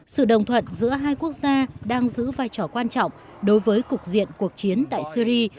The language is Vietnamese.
sự đồng thuận giữa hai quốc gia đang giữ vai trò quan trọng đối với cục diện cuộc chiến tại syri